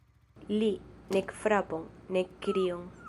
Li: nek frapon, nek krion.